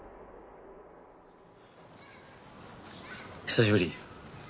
久しぶり。